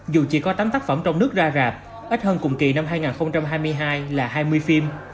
dù chỉ có tám tác phẩm trong nước ra rạp ít hơn cùng kỳ năm hai nghìn hai mươi hai là hai mươi phim